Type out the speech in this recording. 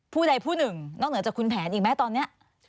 ผู้ใดผู้หนึ่งนอกเหนือจากคุณแผนอีกไหมตอนนี้